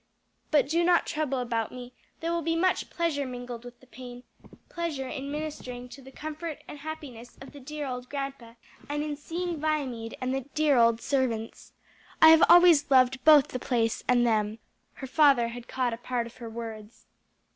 But do not trouble about me; there will be much pleasure mingled with the pain pleasure in ministering to the comfort and happiness of the dear old grandpa, and in seeing Viamede and the old servants. I have always loved both the place and them." Her father had caught a part of her words.